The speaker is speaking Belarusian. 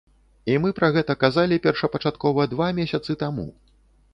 І мы пра гэта казалі першапачаткова два месяцы таму.